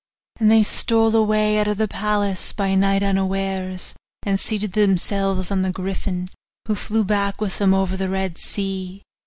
And they stole away out of the palace by night unawares, and seated themselves on the griffin, who flew back with them over the Red Sea.